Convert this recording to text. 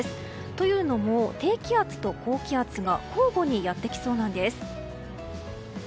というのも、低気圧と高気圧が交互にやってきそうなんです。